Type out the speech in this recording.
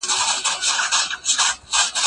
دا موضوع تر ټولو نورو موضوعاتو ډېره مهمه ده.